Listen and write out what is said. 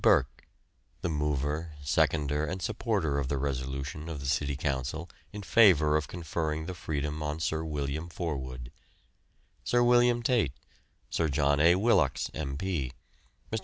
Burke (the mover, seconder, and supporter of the resolution of the City Council in favour of conferring the freedom on Sir William Forwood), Sir William Tate, Sir John A. Willox, M.P., Mr.